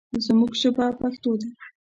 زموږ ژبه پښتو ده.